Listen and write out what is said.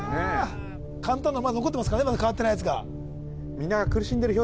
簡単なのまだ残ってますからねまだ変わってないやつがそうなんすよ